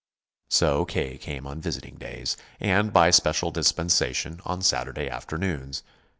So K. came on visiting days, and, by special dispensation, on Saturday afternoons.